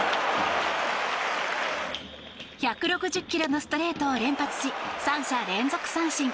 １６０ｋｍのストレートを連発し３者連続三振。